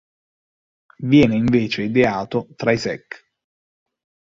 Viene invece ideato tra i secc.